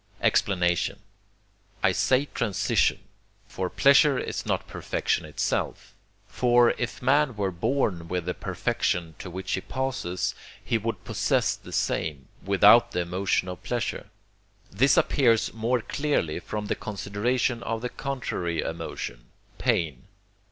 Explanation I say transition: for pleasure is not perfection itself. For, if man were born with the perfection to which he passes, he would possess the same, without the emotion of pleasure. This appears more clearly from the consideration of the contrary emotion, pain.